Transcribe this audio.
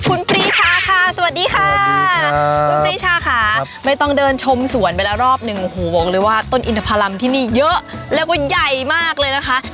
คุณปรีชาค่าสวัสดีค่ะสวัสดีเช้ากับเช้าครับไม่ต้องเดินชมสวนไปรอบ๑ขวกเลยว่าต้นอินทรัพย์ลำที่นี่เยอะแล้วกับใหญ่มากเลยคะ